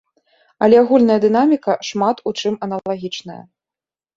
Але агульная дынаміка шмат у чым аналагічная.